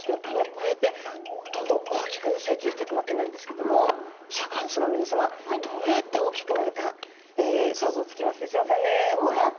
こうやってどんどん大きく成長していくわけなんですけどもシャーク香音さま皆さまどうやって大きくなるか想像つきますでしょうかね。